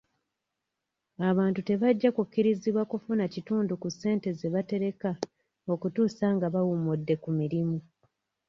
Abantu tebajja kukkirizibwa kufuna kitundu ku ssente ze batereka okutuusa nga bawummudde ku mirimu.